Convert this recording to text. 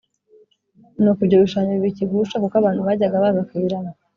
Nuko ibyo bishushanyo biba ikigusha kuko abantu bajyaga baza kubiramya